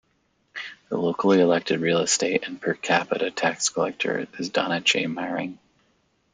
The locally elected Real Estate and Per Capita Tax Collector is Donna J. Maring.